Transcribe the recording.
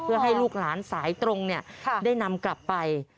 เพื่อให้ลูกหลานสายตรงได้นำกลับไป